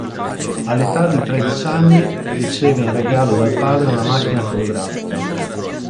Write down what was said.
All'età di tredici anni riceve in regalo dal padre una macchina fotografica.